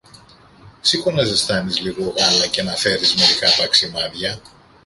Σήκω να ζεστάνεις λίγο γάλα και να φέρεις μερικά παξιμάδια.